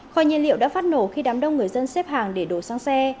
khoi nhiên liệu đã phát nổ khi đám đông người dân xếp hàng để đổ sang xe